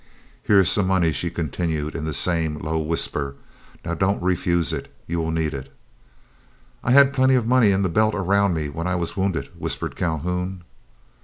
"Here is some money," she continued, in the same low whisper. "Now, don't refuse it; you will need it." "I had plenty of money in a belt around me when I was wounded," whispered Calhoun.